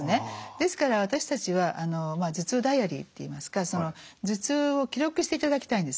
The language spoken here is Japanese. ですから私たちは頭痛ダイアリーっていいますか頭痛を記録していただきたいんですね。